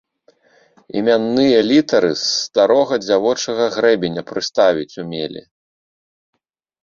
Імянныя літары з старога дзявочага грэбеня прыставіць умелі.